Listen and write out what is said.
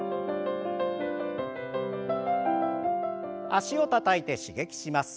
脚をたたいて刺激します。